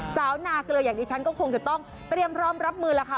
สาวนาเกลืออย่างนี้ฉันก็คงจะต้องเตรียมพร้อมรับมือแล้วค่ะ